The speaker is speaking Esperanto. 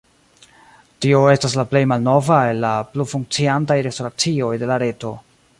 Tio estas la plej malnova el la plu funkciantaj restoracioj de la reto.